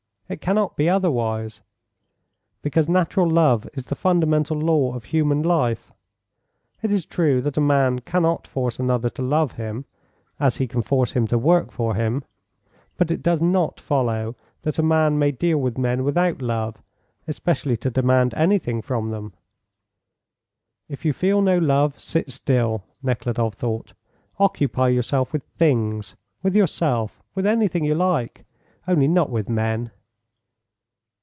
It cannot be otherwise, because natural love is the fundamental law of human life. It is true that a man cannot force another to love him, as he can force him to work for him; but it does not follow that a man may deal with men without love, especially to demand anything from them. If you feel no love, sit still," Nekhludoff thought; "occupy yourself with things, with yourself, with anything you like, only not with men.